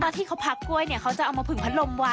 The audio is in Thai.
ตอนที่เขาพักกล้วยเขาจะเอามาผึ่งพัดลมไว้